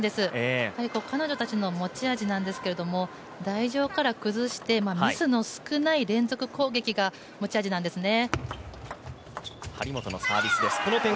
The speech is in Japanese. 彼女たちの持ち味なんですけど、台上から崩してミスの少ない連続攻撃が持ち味なんですね。